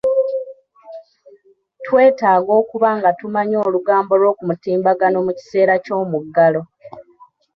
Twetaaga okuba nga tumanyi olugambo lw'okumutimbagano mu kiseera ky'omuggalo